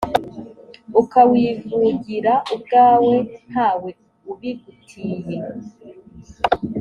ukawivugira ubwawe ntawe ubigutiye.